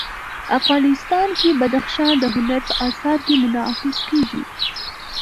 افغانستان کې بدخشان د هنر په اثار کې منعکس کېږي.